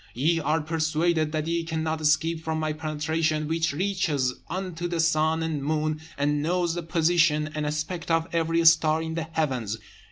ye are persuaded that ye cannot escape from my penetration, which reaches unto the sun and moon, and knows the position and aspect of every star in the heavens.